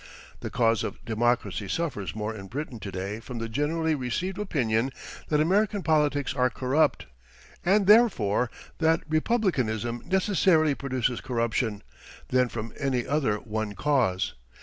The cause of democracy suffers more in Britain to day from the generally received opinion that American politics are corrupt, and therefore that republicanism necessarily produces corruption, than from any other one cause.